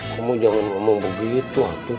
kamu jangan ngomong begitu